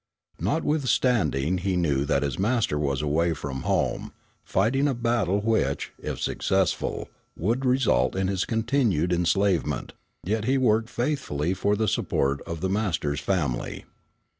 Notwithstanding he knew that his master was away from home, fighting a battle which, if successful, would result in his continued enslavement, yet he worked faithfully for the support of the master's family.